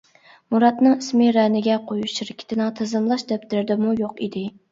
مۇراتنىڭ ئىسمى رەنىگە قويۇش شىركىتىنىڭ تىزىملاش دەپتىرىدىمۇ يوق ئىدى.